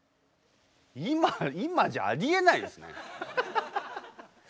今じゃありえないですね。